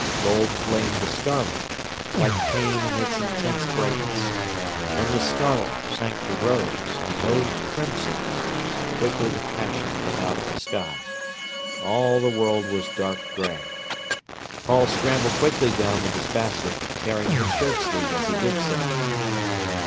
Gold flamed to scarlet, like pain in its intense brightness. Then the scarlet sank to rose, and rose to crimson, and quickly the passion went out of the sky. All the world was dark grey. Paul scrambled quickly down with his basket, tearing his shirt sleeve as he did so.